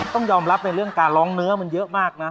ต้องยอมรับในเรื่องการร้องเนื้อมันเยอะมากนะ